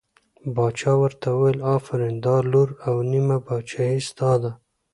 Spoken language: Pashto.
باچا ورته وویل آفرین دا لور او نیمه پاچهي ستا ده.